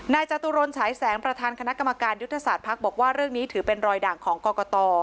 จตุรนฉายแสงประธานคณะกรรมการยุทธศาสตร์ภักดิ์บอกว่าเรื่องนี้ถือเป็นรอยด่างของกรกต